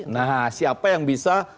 nah siapa yang bisa